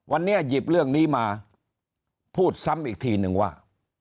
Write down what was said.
วันนี้หยิบเรื่องนี้มาพูดซ้ำอีกทีนึงว่า